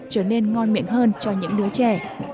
trở nên ngon miệng hơn cho những đứa trẻ